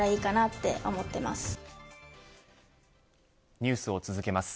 ニュースを続けます。